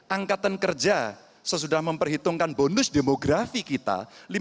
angkatan kerja sesudah memperhitungkan bonus demografi kita lima puluh enam enam